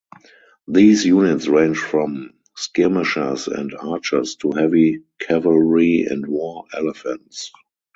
These units range from skirmishers and archers to heavy cavalry and War Elephants.